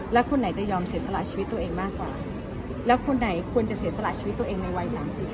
แล้วคนไหนจะยอมเสียสละชีวิตตัวเองมากกว่าแล้วคนไหนควรจะเสียสละชีวิตตัวเองในวัยสามสิบ